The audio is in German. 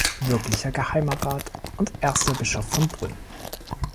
Wirklicher Geheimer Rat und erster Bischof von Brünn.